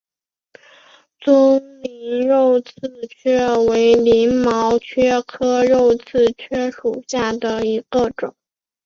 棕鳞肉刺蕨为鳞毛蕨科肉刺蕨属下的一个种。